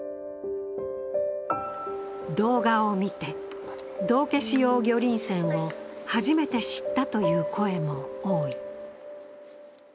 動画を見て、道化師様魚鱗癬を初めて知ったという声も多い。